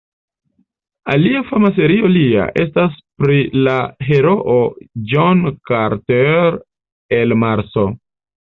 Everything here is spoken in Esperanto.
Alia fama serio lia estas pri la heroo John Carter el Marso.